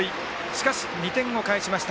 しかし２点を返しました。